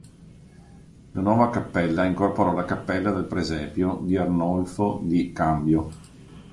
La nuova cappella incorporò la "Cappella del Presepio" di Arnolfo di Cambio.